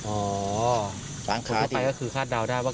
โอ้โหตัวไปก็คือคาดดาวน์ได้ว่า